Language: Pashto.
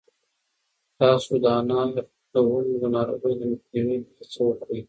تاسو د انار د ونو د ناروغیو د مخنیوي هڅه وکړئ.